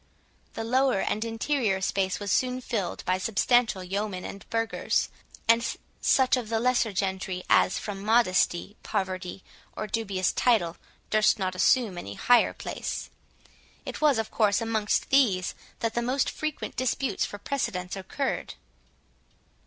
The lower and interior space was soon filled by substantial yeomen and burghers, and such of the lesser gentry, as, from modesty, poverty, or dubious title, durst not assume any higher place. It was of course amongst these that the most frequent disputes for precedence occurred.